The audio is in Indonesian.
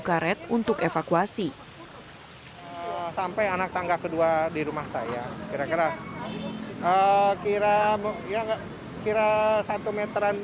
karet untuk evakuasi sampai anak tangga kedua di rumah saya kira kira ya kira satu meteran